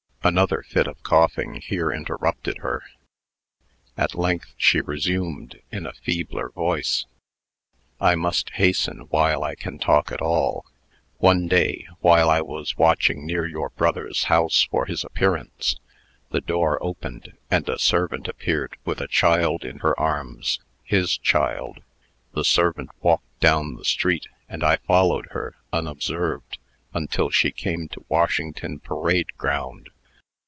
Another fit of coughing here interrupted her. At length she resumed, in a feebler voice: "I must hasten while I can talk at all. One day, while I was watching near your brother's house for his appearance, the door opened, and a servant appeared, with a child in her arms his child. The servant walked down the street, and I followed her, unobserved, until she came to Washington Parade Ground.